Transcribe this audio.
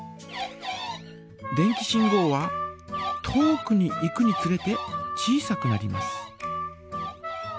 電気信号は遠くに行くにつれて小さくなります。